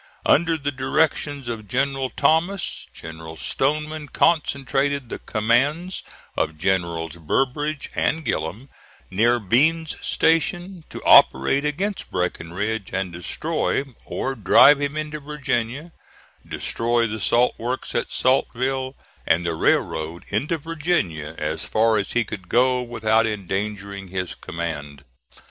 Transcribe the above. Under the directions of General Thomas, General Stoneman concentrated the commands of Generals Burbridge and Gillem near Bean's Station to operate against Breckinridge, and destroy or drive him into Virginia destroy the salt works at Saltville, and the railroad into Virginia as far as he could go without endangering his command.